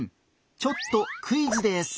ちょっとクイズです。